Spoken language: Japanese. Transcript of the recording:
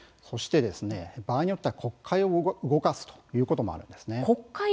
場合によっては国会を動かすということもあります。